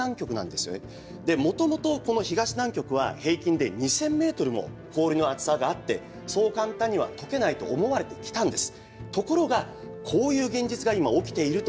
もともとこの東南極は平均で２，０００ｍも氷の厚さがあってそう簡単にはとけないと思われてきたんです。